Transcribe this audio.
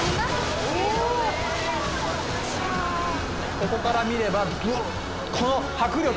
ここから見ればこの迫力。